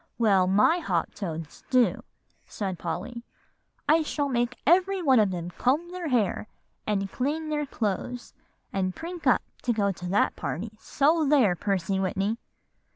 "Well, my hop toads do," said Polly. "I shall make every one of them comb their hair, and clean their clothes, and prink up to go to that party, so there, Percy Whitney!"